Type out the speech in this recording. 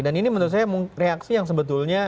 dan ini menurut saya reaksi yang sebetulnya